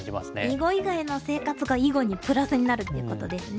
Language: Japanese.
囲碁以外の生活が囲碁にプラスになるっていうことですね。